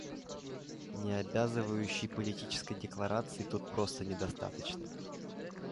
Необязывающей политической декларации тут просто недостаточно.